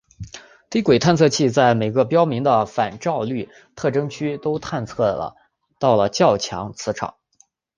低轨探测器在每个标明的反照率特征区都探测到了较强磁场。